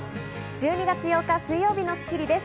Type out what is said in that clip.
１２月８日、水曜日の『スッキリ』です。